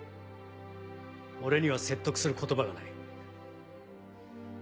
俺には説得する言葉がない。